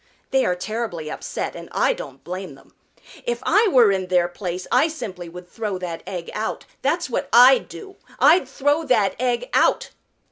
They are terribly upset, and I don't blame them. If I were in their place I simply would throw that egg out. That's what I'd do, I'd throw that egg out!"